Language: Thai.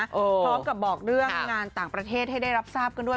พร้อมกับบอกเรื่องงานต่างประเทศให้ได้รับทราบกันด้วย